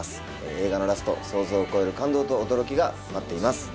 映画のラスト想像を超える感動と驚きが待っています。